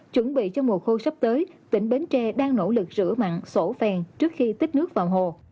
chuẩn bị cho mùa khô sắp tới tỉnh bến tre đang nỗ lực rửa mặn sổ phèn trước khi tích nước vào hồ